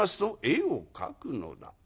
「絵を描くのだ」。